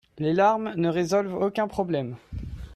Les larmes ne résolvent aucun problème.